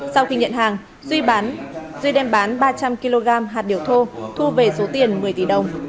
sau khi nhận hàng duy bán duy đem bán ba trăm linh kg hạt điều thô thu về số tiền một mươi tỷ đồng